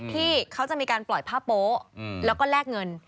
ที่เขาจะมีการปล่อยผ้าโป๊ะแล้วก็แลกเงิน